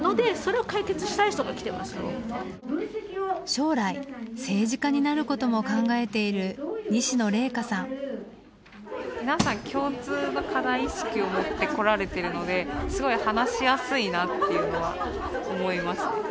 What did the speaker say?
将来政治家になることも考えている皆さん共通の課題意識を持って来られているのですごく話しやすいなっていうのは思いますね。